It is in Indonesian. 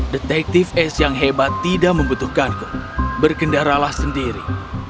detektif ace yang hebat tidak membutuhkanku berkendaralah sendiri